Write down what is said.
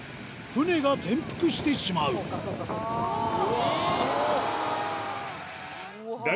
船が転覆してしまうえぇ！